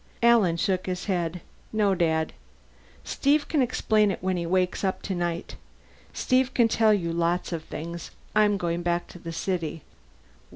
Alan shook his head. "No, Dad. Steve can explain it when he wakes up, tonight. Steve can tell you lots of things. I'm going back to the city."